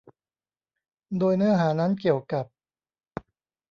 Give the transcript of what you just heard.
โดยเนื้อหานั้นเกี่ยวกับ